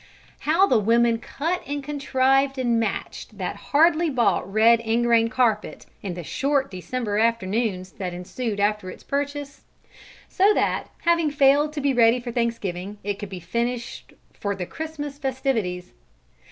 How the women cut and contrived and matched that hardly bought red ingrain carpet, in the short December afternoons that ensued after its purchase; so that, having failed to be ready for Thanksgiving, it could be finished for the Christmas festivities!